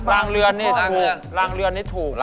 ดังเหลือนนี่ถูก